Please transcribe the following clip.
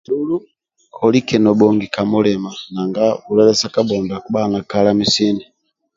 olike nobhongi ka mulima nanga bhulwaye sa kabhondo akubaga na kalami sini